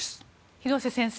広瀬先生